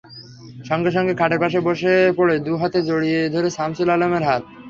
সঙ্গে সঙ্গে খাটের পাশে বসে পড়ে দু-হাতে জড়িয়ে ধরে শামসুল আলমের হাত।